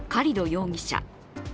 容疑者